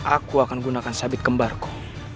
aku akan gunakan sabit kembarku